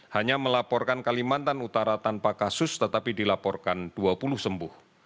hanya melaporkan kalimantan utara tanpa kasus tetapi dilaporkan dua puluh sembuh